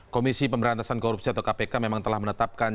komisi pemberantasan korupsi atau kpk memang telah menetapkan